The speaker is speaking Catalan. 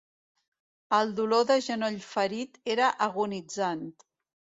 El dolor del genoll ferit era agonitzant.